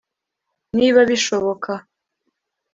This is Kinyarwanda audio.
niba bishoboka